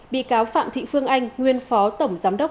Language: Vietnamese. bị cáo phạm thị phương anh nguyên phó tổng giám đốc